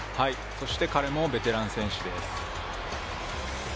そして彼もベテラン選手です。